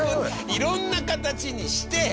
色んな形にして！